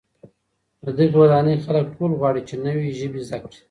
د دغي ودانۍ خلک ټول غواړي چي نوې ژبې زده کړي.